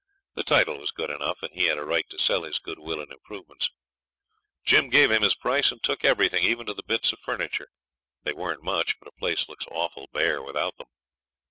The title was good enough, and he had a right to sell his goodwill and improvements. Jim gave him his price and took everything, even to the bits of furniture. They weren't much, but a place looks awful bare without them.